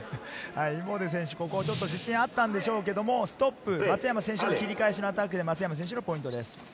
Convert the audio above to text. ここちょっと自信あったんでしょうけど、ストップ、松山選手が切り返しのアタックで松山選手のポイントです。